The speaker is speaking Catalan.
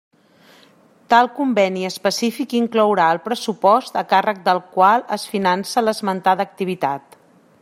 Tal conveni específic inclourà el pressupost a càrrec del qual es finança l'esmentada activitat.